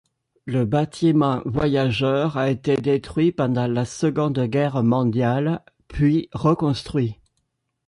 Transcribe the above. Le bâtiment voyageurs a été détruit pendant la Seconde Guerre mondiale, puis reconstruit.